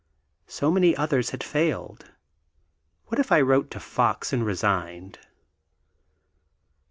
So many others had failed. What if I wrote to Fox, and resigned?...